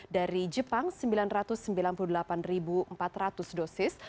dari jepang sembilan ratus sembilan puluh delapan empat ratus dosis